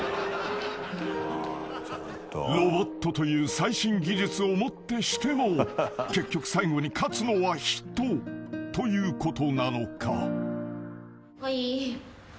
［ロボットという最新技術をもってしても結局最後に勝つのは人ということなのか？］はいー。